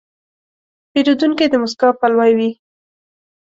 پیرودونکی د موسکا پلوی وي.